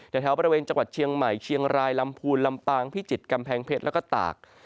แถวบริเวณจังหวัดเชียงใหม่เชียงรายลำพูนลำปางพิจิตรกำแพงเพชรแล้วก็ตาก